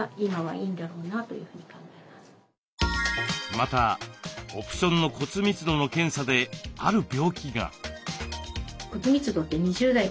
またオプションの骨密度の検査である病気が。